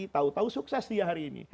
tahu tahu sukses dia hari ini